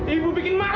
ibu bikin malu